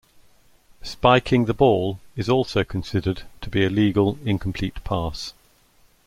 Spiking the ball is also considered to be a legal incomplete pass.